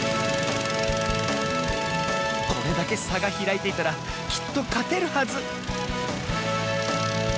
これだけさがひらいていたらきっとかてるはず